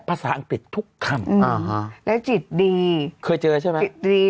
ภาษาอังกฤษทุกคำแล้วจิตดีเคยเจอใช่ไหมจิตดี